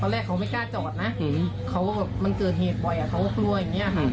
ตอนแรกเขาไม่กล้าจอดนะมันเกิดเหตุบ่อยเขาก็คลั่วอย่างนี้